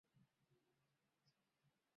আমরা তো যাদু দেখতে এসেছি।